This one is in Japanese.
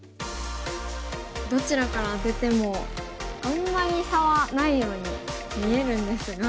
どちらからアテてもあんまり差はないように見えるんですが。